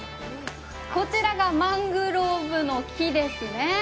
こちらがマングローブの木ですね。